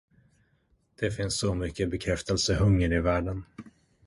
Det finns så mycket bekräftelsehunger i världen.